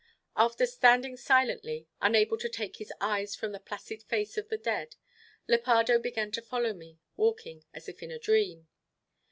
After standing silently, unable to take his eyes from the placid face of the dead, Lepardo began to follow me, walking as if in a dream.